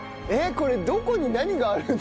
これどこに何があるんですか？